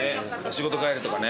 仕事帰りとかね。